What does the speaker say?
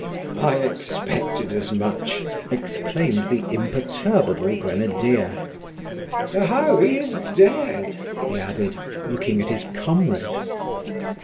"I expected as much!" exclaimed the imperturbable grenadier. "Oho! he is dead!" he added, looking at his comrade.